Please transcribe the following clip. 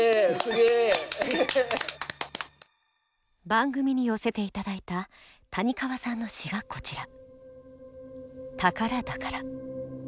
番組に寄せて頂いた谷川さんの詩がこちら。